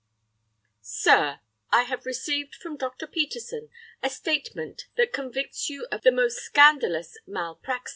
"Sir,—I have received from Dr. Peterson a statement that convicts you of the most scandalous mal praxis.